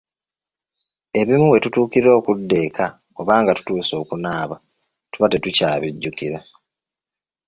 Ebimu we tutuukira okudda eka oba nga tutuuse okunaaba tuba tetukyabijjukira.